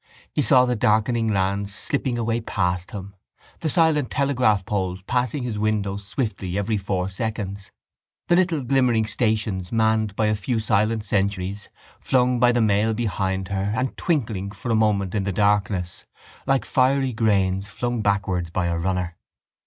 He saw the darkening lands slipping away past him, the silent telegraphpoles passing his window swiftly every four seconds, the little glimmering stations, manned by a few silent sentries, flung by the mail behind her and twinkling for a moment in the darkness like fiery grains flung backwards by a runner.